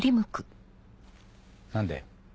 何で？